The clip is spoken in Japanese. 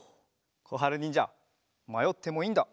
こはるにんじゃまよってもいいんだ。